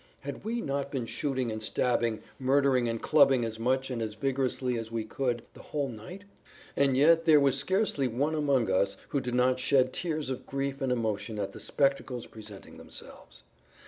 Had we not been shooting and stabbing, murdering and clubbing as much and as vigorously as we could the whole night? And yet there was scarcely one amongst[Pg 19] us who did not shed tears of grief and emotion at the spectacles presenting themselves.